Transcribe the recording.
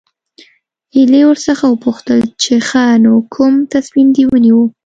هيلې ورڅخه وپوښتل چې ښه نو کوم تصميم دې ونيو.